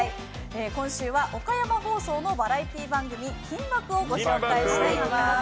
今週は岡山放送のバラエティー番組「金バク！」をご紹介していきます。